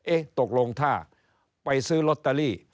ตกลงถ้าไปซื้อลอตเตอรี่